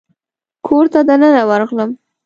کور ته دننه ورغلم.